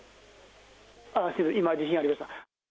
今、地震ありました。